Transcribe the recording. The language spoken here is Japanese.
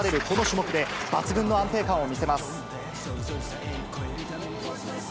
この種目で、抜群の安定感を見せます。